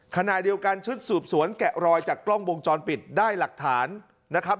ขณะเดียวกันชุดสืบสวนแกะรอยจากกล้องวงจรปิดได้หลักฐานนะครับ